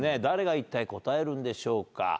誰がいったい答えるんでしょうか。